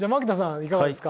いかがですか？